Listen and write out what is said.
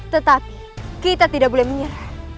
tetapi kita tidak boleh menyerah